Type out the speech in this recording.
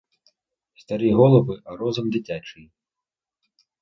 Старі голови, а розум дитячий!